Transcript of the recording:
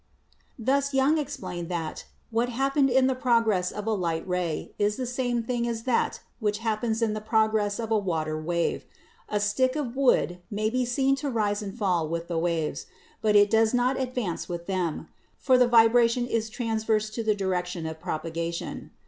Thus Young explained that what happened in the prog ress of a light ray is the same thing as that which happens in the progress of a water wave ; a stick of wood may be seen to rise and fall with the waves, but it does not ad vance with them, for the vibration is transverse to the direction of propagation.